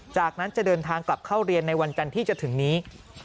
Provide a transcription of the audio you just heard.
จากนั้นจะเดินทางกลับเข้าเรียนในวันจันทร์ที่จะถึงนี้